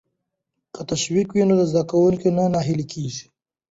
که تشویق وي نو زده کوونکی نه ناهیلی کیږي.